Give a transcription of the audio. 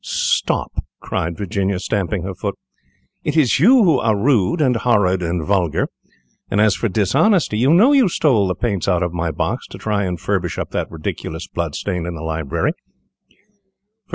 "Stop!" cried Virginia, stamping her foot, "it is you who are rude, and horrid, and vulgar, and as for dishonesty, you know you stole the paints out of my box to try and furbish up that ridiculous blood stain in the library.